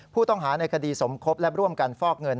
ผู้ต้องหาในคดีสมคบและร่วมกันฟอกเงิน